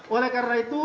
oleh karena itu